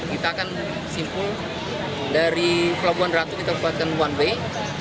kita akan simpul dari pelabuhan ratu kita buatkan one way